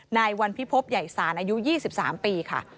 นายวันพิพบใหญ่ศาลอายุ๒๓ปีค่ะ